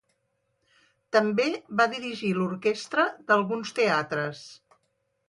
També va dirigir l'orquestra d'alguns teatres.